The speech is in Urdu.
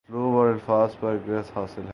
اسلوب اور الفاظ پر گرفت حاصل ہے